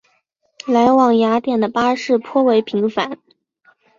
来往雅典的巴士颇为频繁。